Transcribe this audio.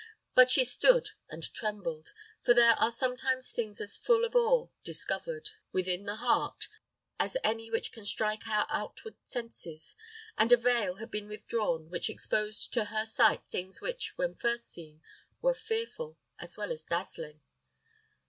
But she stood and trembled; for there are sometimes things as full of awe discovered, within the heart, as any which can strike our outward senses, and a vail had been withdrawn which exposed to her sight things which, when first seen, were fearful as well as dazzling.